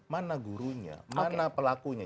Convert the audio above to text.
mana gurunya mana pelakunya